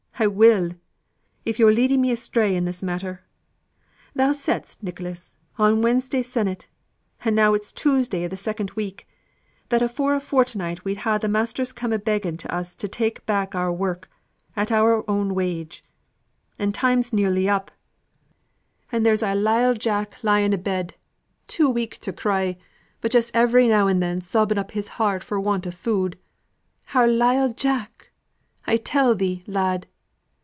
I will, if yo're leading me astray i' this matter. Thou saidst, Nicholas, on Wednesday sennight and it's now Tuesday i' th' second week that afore a fortnight we'd ha' the masters coming a begging to us to take back our work, at our own wage and time's nearly up, and there's our lile Jack lying a bed, too weak to cry, but just every now and then sobbing up his heart for want o' food, our lile Jack, I tell thee, lad!